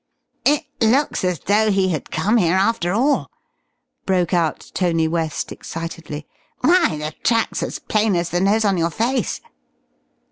"It looks as though he had come here after all!" broke out Tony West, excitedly. "Why the track's as plain as the nose on your face."